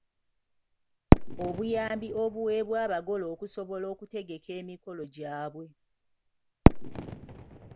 Obuyambi obuweebwa abagole okusobola okutegeka emikolo gyabwe.